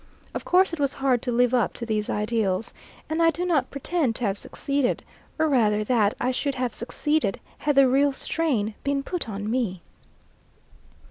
Of course it was hard to live up to these ideals, and I do not pretend to have succeeded, or rather that I should have succeeded had the real strain been put on me.